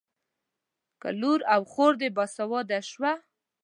که لور او خور دې باسواده شوه.